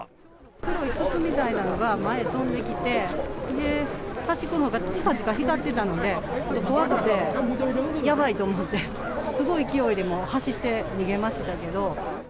黒い筒みたいなのが前飛んできて、端っこのほうがちかちか光ってたので、怖くて、やばいと思って、すごい勢いでもう走って逃げましたけど。